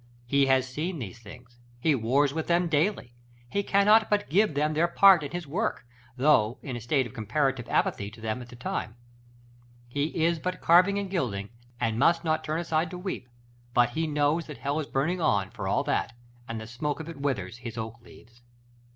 He has seen these things; he wars with them daily; he cannot but give them their part in his work, though in a state of comparative apathy to them at the time. He is but carving and gilding, and must not turn aside to weep; but he knows that hell is burning on, for all that, and the smoke of it withers his oak leaves.